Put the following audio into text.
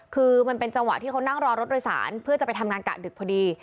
คือมันเป็นจังหวะที่เขานั่งรอรถโดยสารเพื่อจะไปทำงานกะดึกพอดี